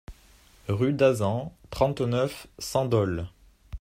Rue d'Azans, trente-neuf, cent Dole